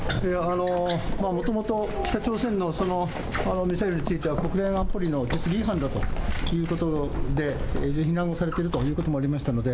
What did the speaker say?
もともと北朝鮮のミサイルについては国連安保理の決議違反だということとで非難をされているということもありましたので